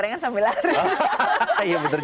rasanya akan lebih besar dari yang dikeluarkan